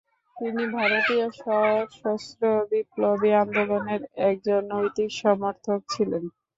তিনি ভারতীয় সশস্ত্র বিপ্লবী আন্দোলনের একজন নৈতিক সমর্থক ছিলেন।